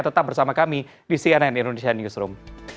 tetap bersama kami di cnn indonesia newsroom